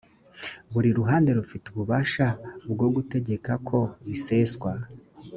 buri ruhande rufite ububasha bwo gutegeka ko biseswa